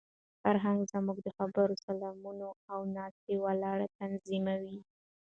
فرهنګ زموږ د خبرو، سلامونو او ناسته ولاړه تنظیموي.